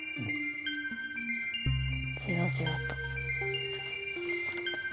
じわじわと。